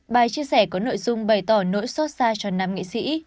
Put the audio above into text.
bài chia sẻ có nội dung bày tỏ nỗi xót xa cho nam nghệ sĩ